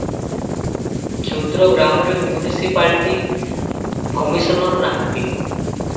କ୍ଷୁଦ୍ର ଗ୍ରାମରେ municipality commissioner ନାହାନ୍ତି ।